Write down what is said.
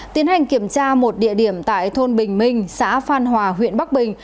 tiến hành kiểm tra một địa điểm tại thôn bình minh xã phan hòa huyện bắc bình